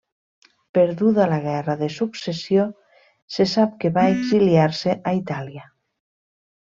Perduda la guerra de successió se sap que va exiliar-se a Itàlia.